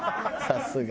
「さすが」